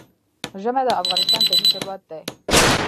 ژمی د افغانستان طبعي ثروت دی.